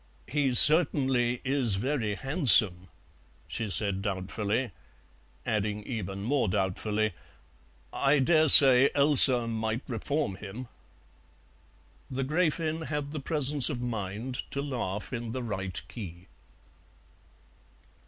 "He certainly is very handsome," she said doubtfully; adding even more doubtfully, "I dare say dear Elsa might reform him." The Gräfin had the presence of mind to laugh in the right key.